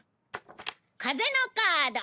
風のカード。